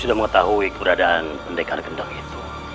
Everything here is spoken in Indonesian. sudah mengetahui keberadaan pendekar gendeng itu